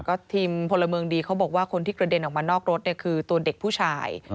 ก็ทีมพลเมืองดีเขาบอกว่าคนที่กระเด็นออกมานอกรถเนี่ยคือตัวเด็กผู้ชาย